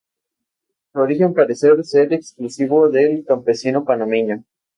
Su origen parecer ser exclusivo del campesino panameño.